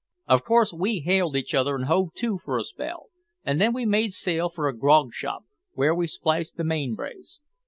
Of course we hailed each other and hove to for a spell, and then we made sail for a grog shop, where we spliced the main brace.